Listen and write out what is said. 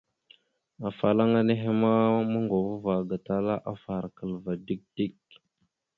Afalaŋa nehe ma moŋgov ava gatala afarəkal ava dik dik.